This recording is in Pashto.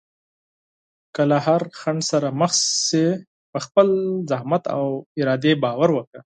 که له هر خنډ سره مخ شې، په خپل زحمت او ارادې باور وکړه.